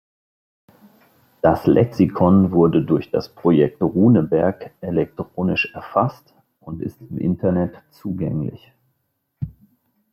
Das Lexikon wurde durch das Projekt Runeberg elektronisch erfasst und ist im Internet zugänglich.